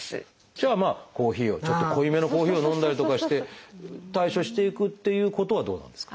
じゃあコーヒーをちょっと濃いめのコーヒーを飲んだりとかして対処していくっていうことはどうなんですか？